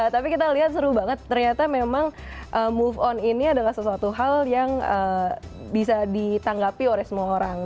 tapi kita lihat seru banget ternyata memang move on ini adalah sesuatu hal yang bisa ditanggapi oleh semua orang